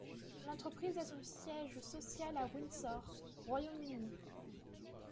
L'entreprise a son siège social à Windsor, Royaume-Uni.